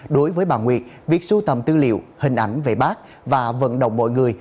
đối với bà nguyệt việc sưu tầm tư liệu hình ảnh về bác và vận động mọi người